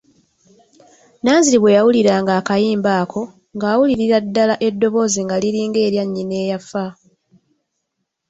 Nanziri bwe yawuliranga akayimba ako ng'awulirira ddala eddoboozi nga liringa erya nnyina eyafa.